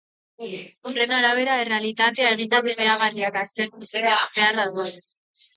Horren arabera, errealitatea egitate behagarriak aztertuz ikertu beharra dago.